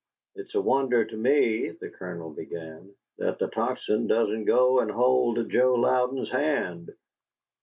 "It's a wonder to me," the Colonel began, "that the Tocsin doesn't go and hold Joe Louden's hand."